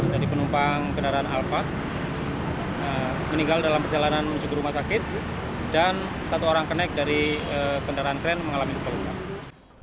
dari penumpang kendaraan alphard meninggal dalam perjalanan menuju ke rumah sakit dan satu orang kenaik dari kendaraan kren mengalami luka luka